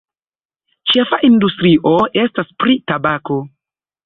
Ĉefa industrio estas pri tabako.